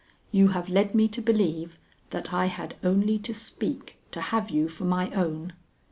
"You have led me to believe that I had only to speak to have you for my own.